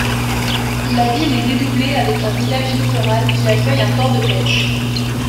La ville est dédoublée avec un village littoral qui accueille un port de pêche.